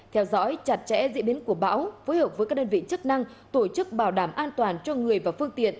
theo dõi chặt chẽ diễn biến của bão phối hợp với các đơn vị chức năng tổ chức bảo đảm an toàn cho người và phương tiện